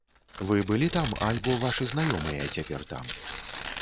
Вы былі там альбо вашы знаёмыя цяпер там?